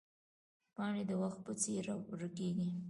پاڼې د وخت په څېر ورکېږي